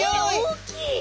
大きい！